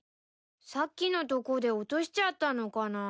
さっきのとこで落としちゃったのかな？